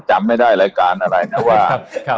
จำไม่ได้รายการอะไรนะว่า